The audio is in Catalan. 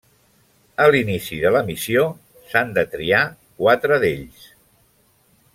A l'inici de la missió s'han de triar quatre d'ells.